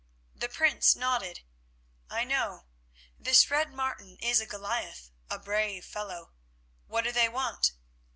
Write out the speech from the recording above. The Prince nodded. "I know. This Red Martin is a Goliath, a brave fellow. What do they want?"